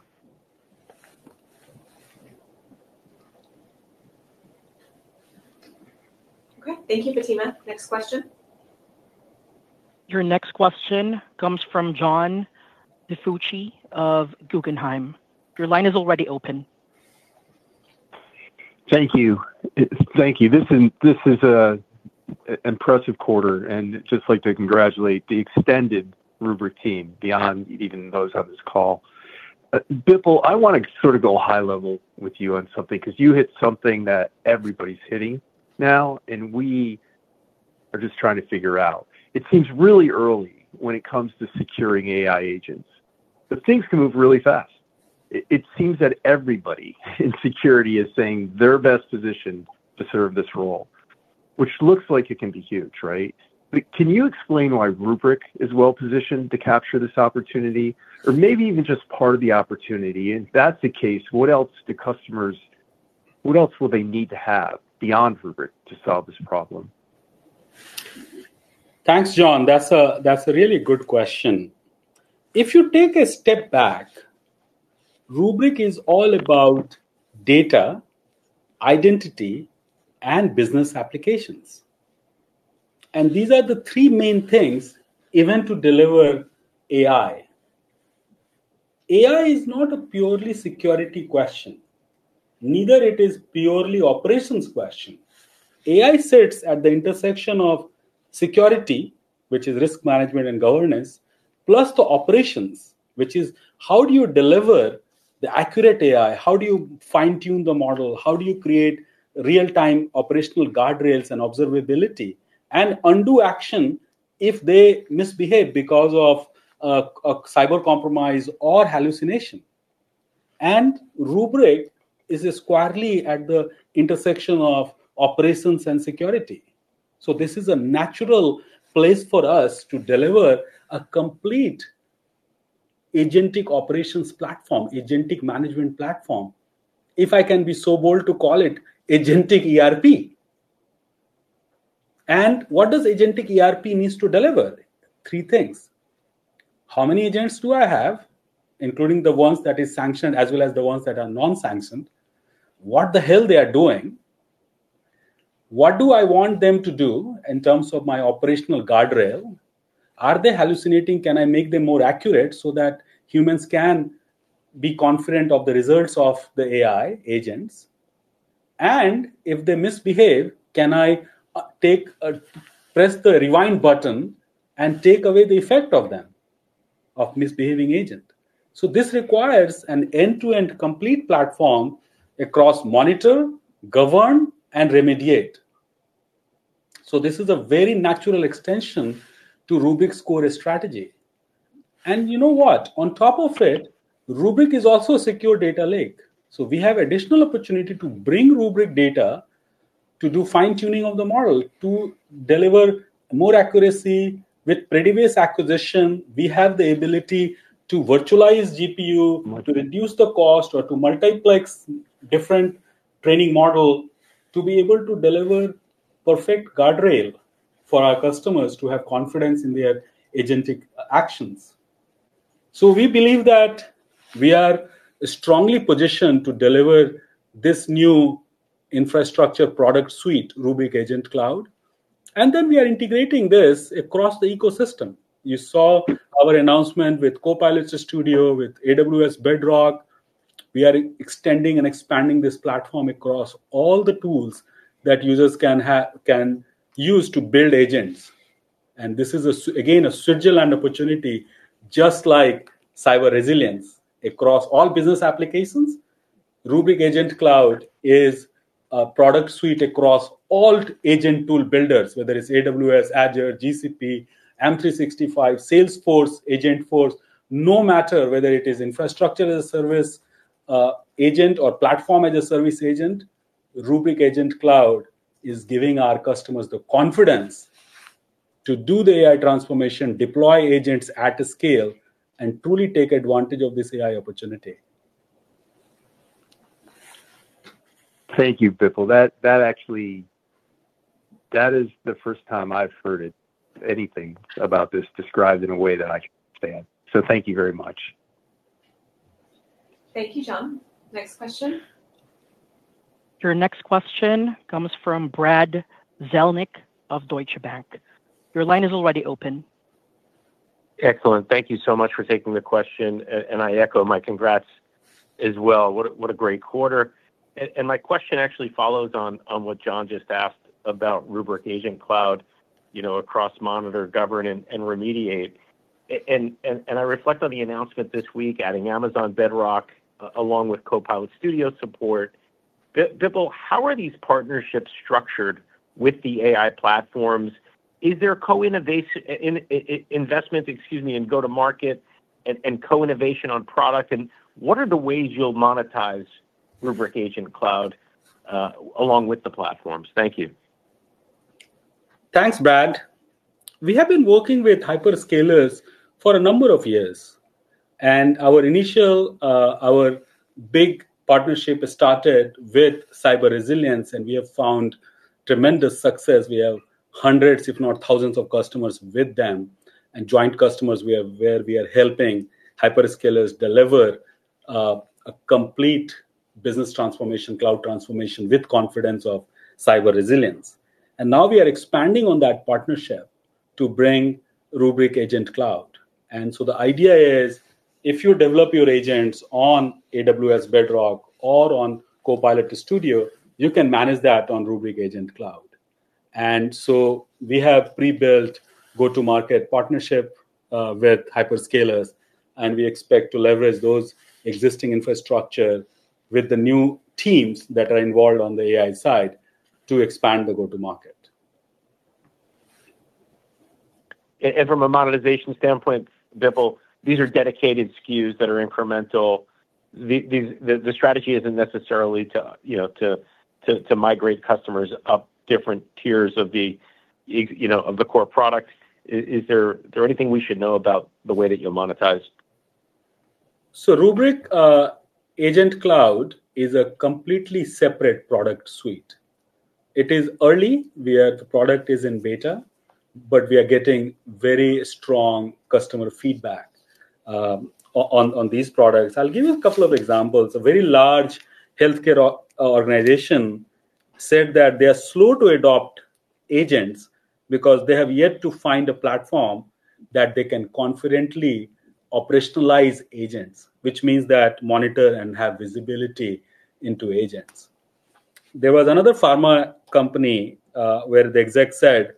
Okay, thank you, Fatima. Next question. Your next question comes from John DiFucci of Guggenheim. Your line is already open. Thank you. Thank you. This is an impressive quarter. And just like to congratulate the extended Rubrik team beyond even those on this call. Bipul, I want to sort of go high level with you on something because you hit something that everybody's hitting now, and we are just trying to figure out. It seems really early when it comes to securing AI agents. But things can move really fast. It seems that everybody in security is saying their best position to serve this role, which looks like it can be huge, right? But can you explain why Rubrik is well-positioned to capture this opportunity, or maybe even just part of the opportunity? And if that's the case, what else do customers—what else will they need to have beyond Rubrik to solve this problem? Thanks, John. That's a really good question. If you take a step back, Rubrik is all about data, identity, and business applications. And these are the three main things, even to deliver AI. AI is not a purely security question. Neither is it a purely operations question. AI sits at the intersection of security, which is risk management and governance, plus the operations, which is how do you deliver the accurate AI? How do you fine-tune the model? How do you create real-time operational guardrails and observability and undo action if they misbehave because of a cyber compromise or hallucination? Rubrik is squarely at the intersection of operations and security. This is a natural place for us to deliver a complete agentic operations platform, agentic management platform, if I can be so bold to call it agentic ERP. What does agentic ERP need to deliver? Three things. How many agents do I have, including the ones that are sanctioned as well as the ones that are non-sanctioned? What the hell they are doing? What do I want them to do in terms of my operational guardrail? Are they hallucinating? Can I make them more accurate so that humans can be confident of the results of the AI agents? If they misbehave, can I press the rewind button and take away the effect of them, of misbehaving agent? This requires an end-to-end complete platform across monitor, govern, and remediate. So this is a very natural extension to Rubrik's core strategy. And you know what? On top of it, Rubrik is also a secure data lake. So we have additional opportunity to bring Rubrik data to do fine-tuning of the model to deliver more accuracy with predictive acquisition. We have the ability to virtualize GPU, to reduce the cost, or to multiplex different training models to be able to deliver perfect guardrail for our customers to have confidence in their agentic actions. So we believe that we are strongly positioned to deliver this new infrastructure product suite, Rubrik Agent Cloud. And then we are integrating this across the ecosystem. You saw our announcement with Copilot Studio, with AWS Bedrock. We are extending and expanding this platform across all the tools that users can use to build agents. This is, again, a switch and opportunity, just like cyber resilience across all business applications. Rubrik Agent Cloud is a product suite across all agent tool builders, whether it's AWS, Azure, GCP, M365, Salesforce, Agentforce. No matter whether it is infrastructure as a service agent or platform as a service agent, Rubrik Agent Cloud is giving our customers the confidence to do the AI transformation, deploy agents at a scale, and truly take advantage of this AI opportunity. Thank you, Bipul. That actually - that is the first time I've heard anything about this described in a way that I can stand. So thank you very much. Thank you, John. Next question. Your next question comes from Brad Zelnick of Deutsche Bank. Your line is already open. Excellent. Thank you so much for taking the question. And I echo my congrats as well. What a great quarter. My question actually follows on what John just asked about Rubrik Agent Cloud across monitor, govern, and remediate. I reflect on the announcement this week, adding Amazon Bedrock along with Copilot Studio support. Bipul, how are these partnerships structured with the AI platforms? Is there co-investment, excuse me, in go-to-market and co-innovation on product? What are the ways you'll monetize Rubrik Agent Cloud along with the platforms? Thank you. Thanks, Brad. We have been working with hyperscalers for a number of years. Our initial, our big partnership started with cyber resilience, and we have found tremendous success. We have hundreds, if not thousands of customers with them and joint customers where we are helping hyperscalers deliver a complete business transformation, cloud transformation with confidence of cyber resilience. Now we are expanding on that partnership to bring Rubrik Agent Cloud. And so the idea is, if you develop your agents on AWS Bedrock or on Copilot Studio, you can manage that on Rubrik Agent Cloud. And so we have pre-built go-to-market partnership with hyperscalers, and we expect to leverage those existing infrastructure with the new teams that are involved on the AI side to expand the go-to-market. And from a monetization standpoint, Bipul, these are dedicated SKUs that are incremental. The strategy isn't necessarily to migrate customers up different tiers of the core product. Is there anything we should know about the way that you'll monetize? So Rubrik Agent Cloud is a completely separate product suite. It is early where the product is in beta, but we are getting very strong customer feedback on these products. I'll give you a couple of examples. A very large healthcare organization said that they are slow to adopt agents because they have yet to find a platform that they can confidently operationalize agents, which means that monitor and have visibility into agents. There was another pharma company where the exec said,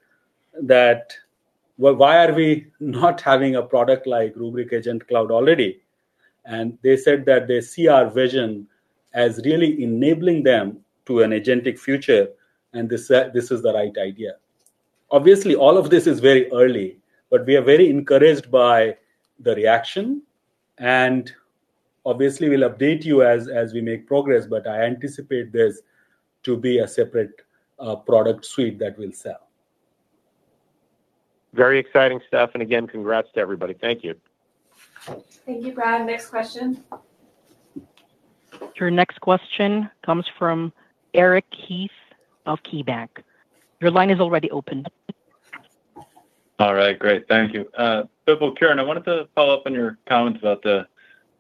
"Why are we not having a product like Rubrik Agent Cloud already?" and they said that they see our vision as really enabling them to an agentic future, and this is the right idea. Obviously, all of this is very early, but we are very encouraged by the reaction, and obviously, we'll update you as we make progress, but I anticipate this to be a separate product suite that we'll sell. Very exciting stuff, and again, congrats to everybody. Thank you. Thank you, Brad. Next question. Your next question comes from Eric Heath of KeyBank. Your line is already open. All right. Great. Thank you. Bipul, Kiran, I wanted to follow up on your comments about the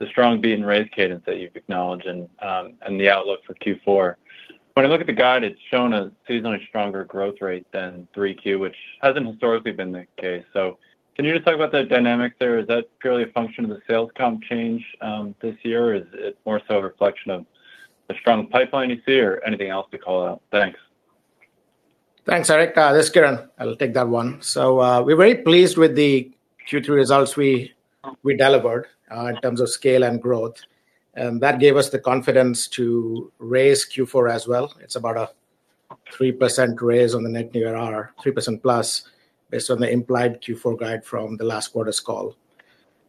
strong beat and raise cadence that you've acknowledged and the outlook for Q4. When I look at the guide, it's shown a seasonally stronger growth rate than 3Q, which hasn't historically been the case. So can you just talk about the dynamic there? Is that purely a function of the sales comp change this year? Is it more so a reflection of the strong pipeline you see or anything else to call out? Thanks. Thanks, Eric. That's good. I'll take that one. So we're very pleased with the Q3 results we delivered in terms of scale and growth. That gave us the confidence to raise Q4 as well. It's about a 3% raise on the net new ARR, 3%+ based on the implied Q4 guide from the last quarter's call.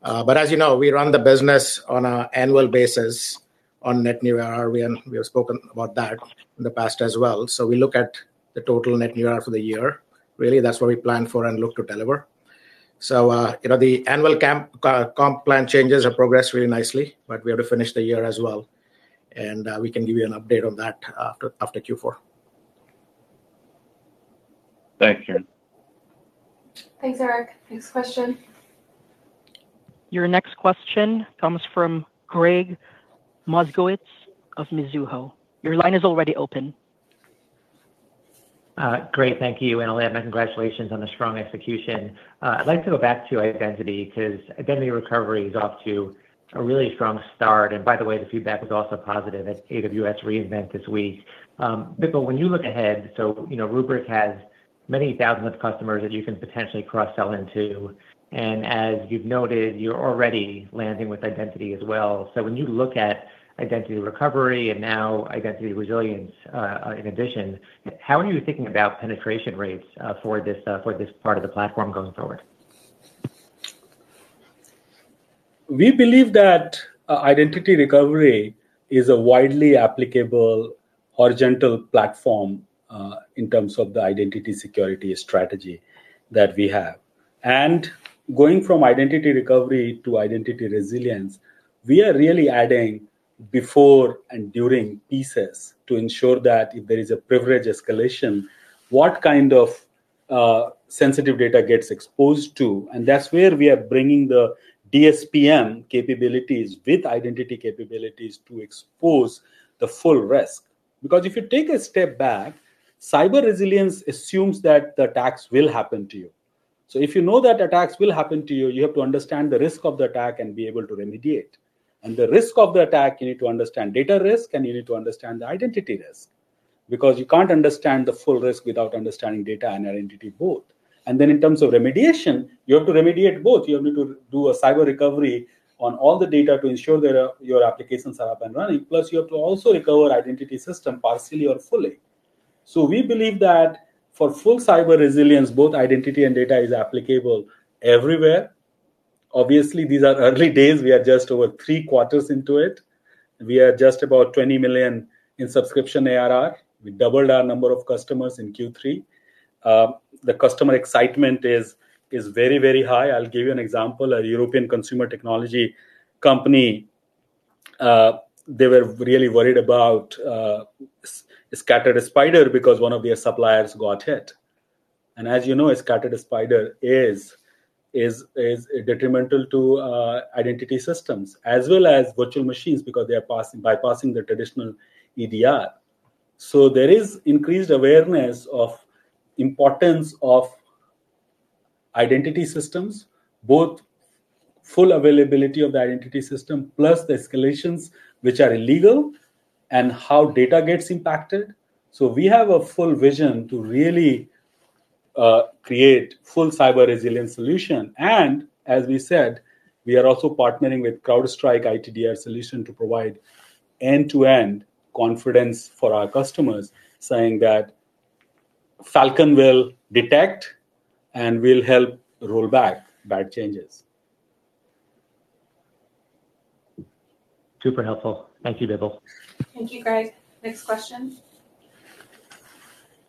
But as you know, we run the business on an annual basis on net new ARR. We have spoken about that in the past as well. So we look at the total net new ARR for the year. Really, that's what we plan for and look to deliver. So the annual comp plan changes have progressed really nicely, but we have to finish the year as well. And we can give you an update on that after Q4. Thanks, Kiran. Thanks, Eric. Next question. Your next question comes from Gregg Moskowitz of Mizuho. Your line is already open. Great. Thank you. And I'll add my congratulations on the strong execution. I'd like to go back to identity because Identity Recovery is off to a really strong start. And by the way, the feedback was also positive at AWS re:Invent this week. Bipul, when you look ahead, so Rubrik has many thousands of customers that you can potentially cross-sell into. And as you've noted, you're already landing with identity as well. So when you look at Identity Recovery and now Identity Resilience in addition, how are you thinking about penetration rates for this part of the platform going forward? We believe that Identity Recovery is a widely applicable horizontal platform in terms of the identity security strategy that we have. And going from Identity Recovery to Identity Resilience, we are really adding before and during pieces to ensure that if there is a privilege escalation, what kind of sensitive data gets exposed to. And that's where we are bringing the DSPM capabilities with identity capabilities to expose the full risk. Because if you take a step back, cyber resilience assumes that the attacks will happen to you. So if you know that attacks will happen to you, you have to understand the risk of the attack and be able to remediate. And the risk of the attack, you need to understand data risk, and you need to understand the identity risk. Because you can't understand the full risk without understanding data and identity both. And then in terms of remediation, you have to remediate both. You have to do a cyber recovery on all the data to ensure that your applications are up and running. Plus, you have to also recover identity system partially or fully. So we believe that for full cyber resilience, both identity and data is applicable everywhere. Obviously, these are early days. We are just over three quarters into it. We are just about $20 million in subscription ARR. We doubled our number of customers in Q3. The customer excitement is very, very high. I'll give you an example. A European consumer technology company, they were really worried about a Scattered Spider because one of their suppliers got hit. And as you know, a Scattered Spider is detrimental to identity systems as well as virtual machines because they are bypassing the traditional EDR. So there is increased awareness of the importance of identity systems, both full availability of the identity system plus the escalations which are illegal and how data gets impacted. So we have a full vision to really create a full cyber resilience solution. And as we said, we are also partnering with CrowdStrike ITDR solution to provide end-to-end confidence for our customers, saying that Falcon will detect and will help roll back bad changes. Super helpful. Thank you, Bipul. Thank you, Gregg. Next question.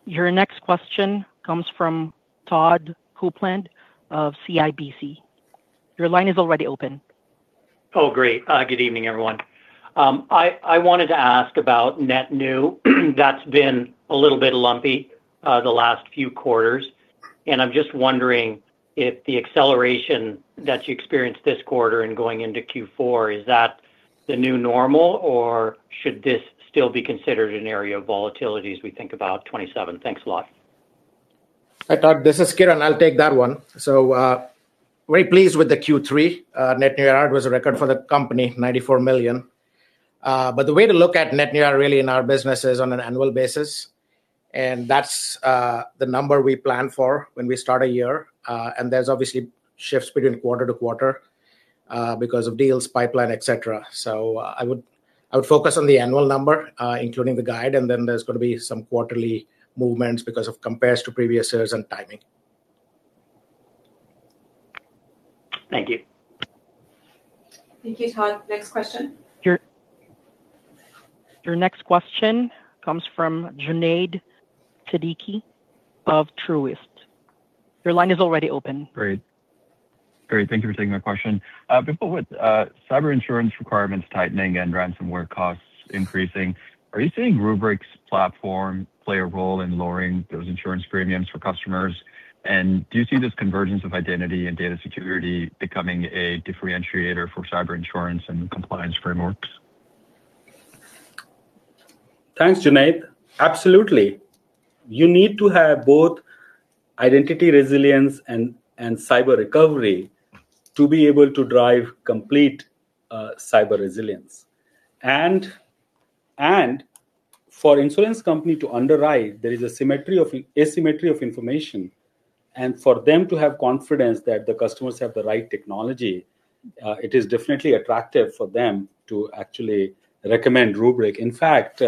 Your next question comes from Todd Coupland of CIBC. Your line is already open. Oh, great. Good evening, everyone. I wanted to ask about net new. That's been a little bit lumpy the last few quarters. And I'm just wondering if the acceleration that you experienced this quarter and going into Q4, is that the new normal, or should this still be considered an area of volatility as we think about 2027? Thanks a lot. This is Kiran. I'll take that one. So very pleased with the Q3. Net new ARR was a record for the company, $94 million. But the way to look at net new ARR really in our business is on an annual basis. And that's the number we plan for when we start a year. And there's obviously shifts between quarter to quarter because of deals, pipeline, etc. So I would focus on the annual number, including the guide. Then there's going to be some quarterly movements because it compares to previous years and timing. Thank you. Thank you, Todd. Next question. Your next question comes from Junaid Siddiqui of Truist. Your line is already open. Great. Great. Thank you for taking my question. Before cyber insurance requirements tightening and ransomware costs increasing, are you seeing Rubrik's platform play a role in lowering those insurance premiums for customers? And do you see this convergence of identity and data security becoming a differentiator for cyber insurance and compliance frameworks? Thanks, Junaid. Absolutely. You need to have both Identity Resilience and cyber recovery to be able to drive complete cyber resilience. And for an insurance company to underwrite, there is an asymmetry of information. And for them to have confidence that the customers have the right technology, it is definitely attractive for them to actually recommend Rubrik. In fact,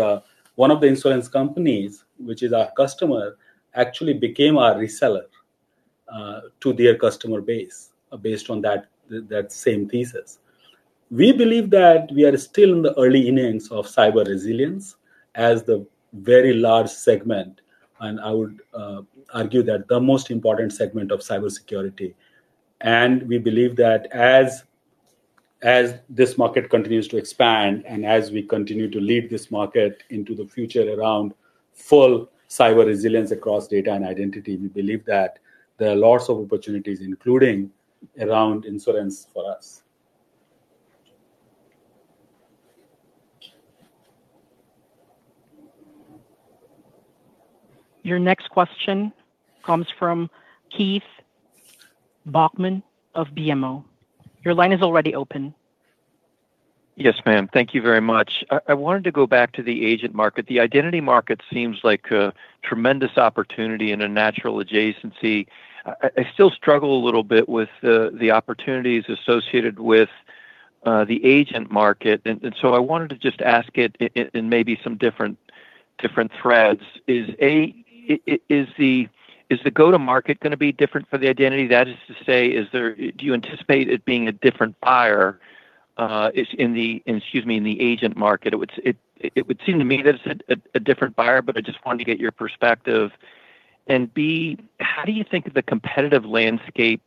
one of the insurance companies, which is our customer, actually became our reseller to their customer base based on that same thesis. We believe that we are still in the early innings of cyber resilience as the very large segment. And I would argue that the most important segment of cyber security. And we believe that as this market continues to expand and as we continue to lead this market into the future around full cyber resilience across data and identity, we believe that there are lots of opportunities, including around insurance for us. Your next question comes from Keith Bachman of BMO. Your line is already open. Yes, ma'am. Thank you very much. I wanted to go back to the agent market. The identity market seems like a tremendous opportunity and a natural adjacency. I still struggle a little bit with the opportunities associated with the agent market. And so I wanted to just ask it in maybe some different threads. Is the go-to-market going to be different for the identity? That is to say, do you anticipate it being a different buyer in the agent market? It would seem to me that it's a different buyer, but I just wanted to get your perspective. And B, how do you think the competitive landscape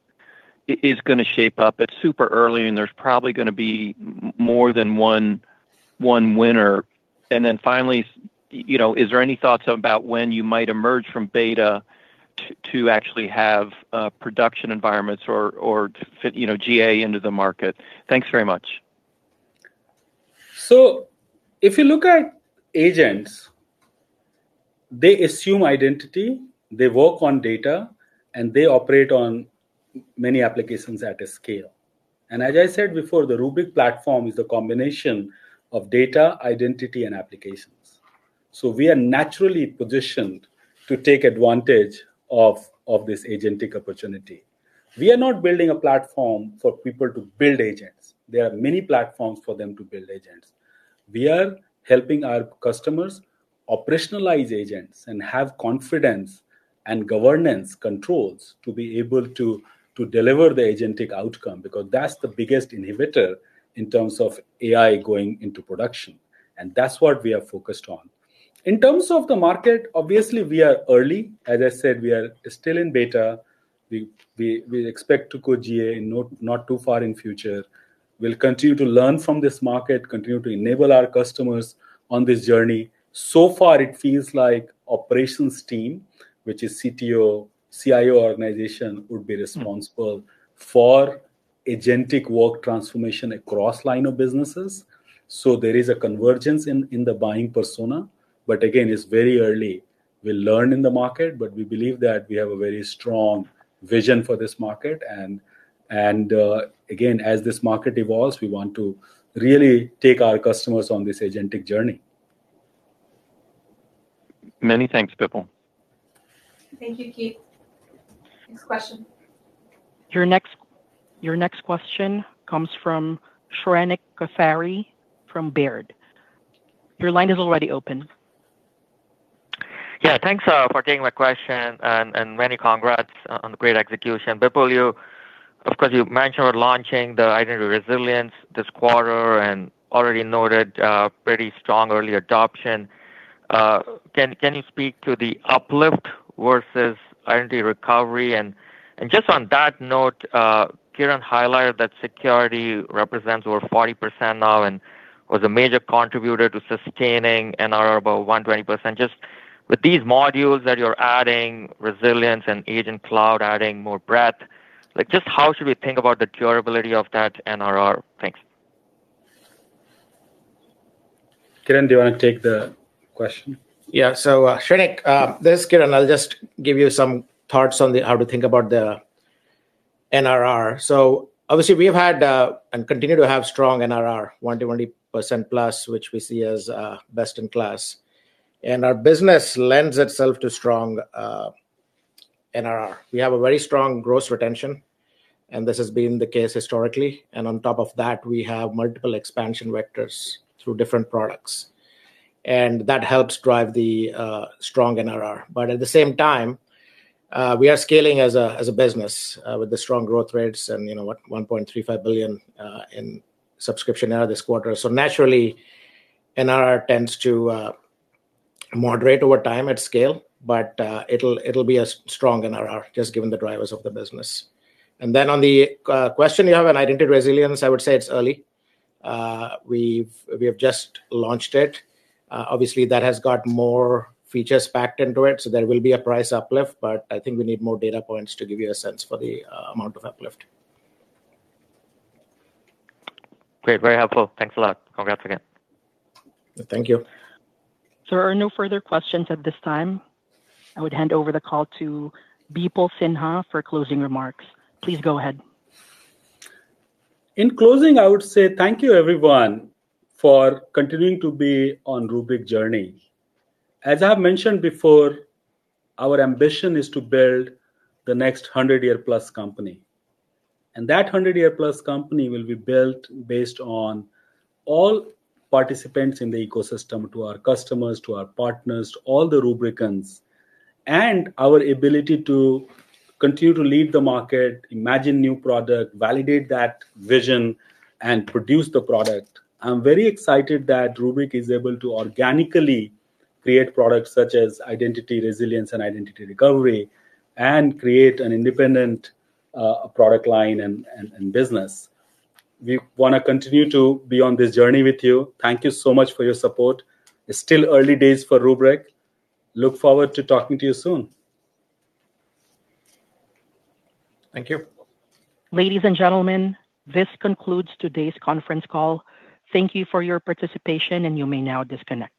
is going to shape up? It's super early, and there's probably going to be more than one winner. And then finally, is there any thoughts about when you might emerge from beta to actually have production environments or GA into the market? Thanks very much. So if you look at agents, they assume identity, they work on data, and they operate on many applications at a scale. And as I said before, the Rubrik platform is a combination of data, identity, and applications. So we are naturally positioned to take advantage of this agentic opportunity. We are not building a platform for people to build agents. There are many platforms for them to build agents. We are helping our customers operationalize agents and have confidence and governance controls to be able to deliver the agentic outcome because that's the biggest inhibitor in terms of AI going into production. And that's what we are focused on. In terms of the market, obviously, we are early. As I said, we are still in beta. We expect to go GA not too far in the future. We'll continue to learn from this market, continue to enable our customers on this journey. So far, it feels like the operations team, which is the CTO, CIO organization, would be responsible for agentic work transformation across line of businesses. So there is a convergence in the buying persona. But again, it's very early. We'll learn in the market, but we believe that we have a very strong vision for this market. And again, as this market evolves, we want to really take our customers on this agentic journey. Many thanks, Bipul. Thank you, Keith. Next question. Your next question comes from Shrenik Kothari from Baird. Your line is already open. Yeah, thanks for taking my question. And many congrats on the great execution. Bipul, of course, you mentioned launching the Identity Resilience this quarter and already noted pretty strong early adoption. Can you speak to the uplift versus Identity Recovery? And just on that note, Kiran highlighted that security represents over 40% now and was a major contributor to sustaining NRR by 120%. Just with these modules that you're adding, resilience and agent cloud adding more breadth, just how should we think about the durability of that NRR? Thanks. Kiran, do you want to take the question? Yeah. So Shrenik, this is Kiran. I'll just give you some thoughts on how to think about the NRR. So obviously, we've had and continue to have strong NRR, 120%+, which we see as best in class. And our business lends itself to strong NRR. We have a very strong gross retention, and this has been the case historically. And on top of that, we have multiple expansion vectors through different products. And that helps drive the strong NRR. But at the same time, we are scaling as a business with the strong growth rates and $1.35 billion in subscription NRR this quarter. So naturally, NRR tends to moderate over time at scale, but it'll be a strong NRR just given the drivers of the business. And then on the question, you have an Identity Resilience, I would say it's early. We have just launched it. Obviously, that has got more features packed into it. So there will be a price uplift, but I think we need more data points to give you a sense for the amount of uplift. Great. Very helpful. Thanks a lot. Congrats again. Thank you. There are no further questions at this time. I would hand over the call to Bipul Sinha for closing remarks. Please go ahead. In closing, I would say thank you, everyone, for continuing to be on Rubrik Journey. As I have mentioned before, our ambition is to build the next 100-year+ company, and that 100-year+ company will be built based on all participants in the ecosystem, to our customers, to our partners, to all the Rubrikans, and our ability to continue to lead the market, imagine new product, validate that vision, and produce the product. I'm very excited that Rubrik is able to organically create products such as Identity Resilience and Identity recovery and create an independent product line and business. We want to continue to be on this journey with you. Thank you so much for your support. It's still early days for Rubrik. Look forward to talking to you soon. Thank you. Ladies and gentlemen, this concludes today's conference call. Thank you for your participation, and you may now disconnect.